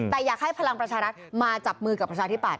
แต่อยากให้พลังประชารัฐมาจับมือกับประชาธิปัต